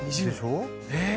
でしょ？え！